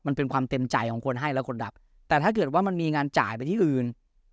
มันเป็นความเต็มใจของคนให้และคนดับแต่ถ้าเกิดว่ามันมีงานจ่ายไปที่อื่น